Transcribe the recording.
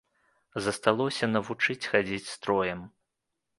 Засталося навучыць хадзіць строем.